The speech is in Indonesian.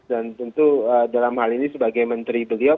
dan tentu dalam hal ini sebagai menteri beliau